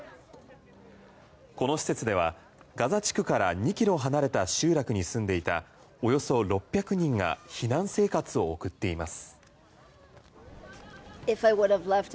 この施設ではガザ地区から２ｋｍ離れた集落に住んでいたおよそ６００人が避難生活を送っています。